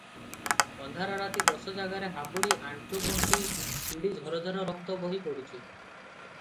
ଅନ୍ଧାର ରାତି ଦଶ ଜାଗାରେ ହାବୁଡ଼ି ଆଣ୍ଠୁ ଗଣ୍ଠି ଛିଡ଼ି ଝରଝର ରକ୍ତ ବହି ପଡୁଛି ।